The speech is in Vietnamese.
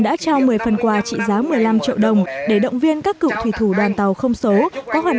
đã trao một mươi phần quà trị giá một mươi năm triệu đồng để động viên các cựu thủy thủ đoàn tàu không số có hoạt